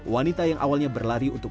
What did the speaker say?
wanita yang awalnya berlari untuk